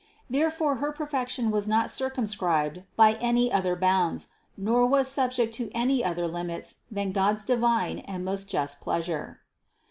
Therefore her perfection was not circumscribed by any other bounds, nor was subject to any other limits than God's divine and most just pleasure.